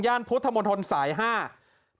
บันทึกภาพไว้เลยครับ